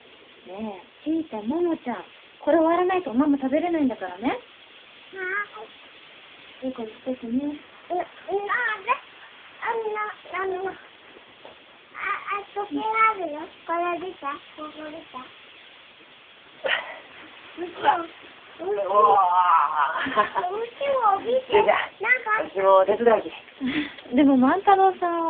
えでも万太郎さんは。